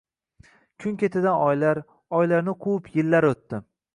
Kun ketidan oylar, oylarni quvib yillar oʻtdi